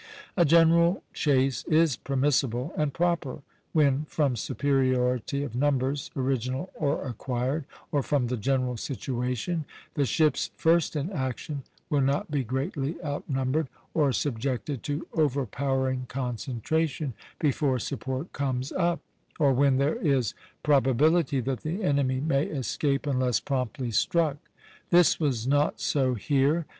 A general chase is permissible and proper when, from superiority of numbers, original or acquired, or from the general situation, the ships first in action will not be greatly outnumbered, or subjected to overpowering concentration before support comes up, or when there is probability that the enemy may escape unless promptly struck. This was not so here.